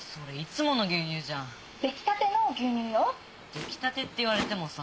「出来たて」って言われてもさ。